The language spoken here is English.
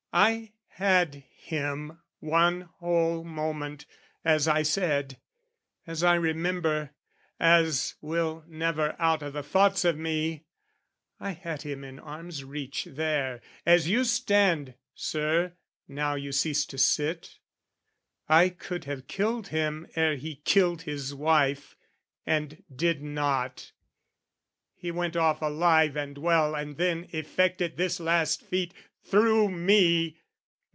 I had him one whole moment, as I said As I remember, as will never out O' the thoughts of me, I had him in arm's reach There, as you stand, Sir, now you cease to sit, I could have killed him ere he killed his wife, And did not: he went off alive and well And then effected this last feat through me!